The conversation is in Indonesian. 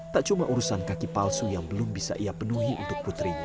tak cuma urusan kaki palsu yang belum bisa ia penuhi untuk putrinya